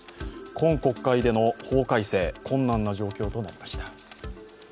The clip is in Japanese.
今国会での法改正、困難な状況となりました。